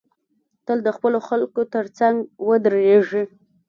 تل د خپلو خلکو تر څنګ ودریږی